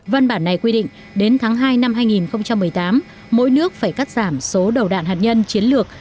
văn bản này quy định đến tháng hai năm hai nghìn một mươi tám mỗi nước phải cắt giảm số đầu đạn hạt nhân chiến lược